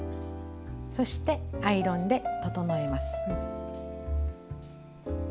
そしてアイロンで整えます。